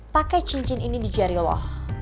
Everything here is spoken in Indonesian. pakai cincin ini di jari allah